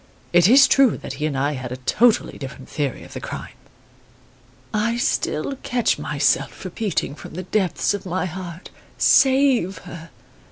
It is true that he and I had a totally different theory of the crime. "I still catch myself repeating from the depths of my heart: 'Save her!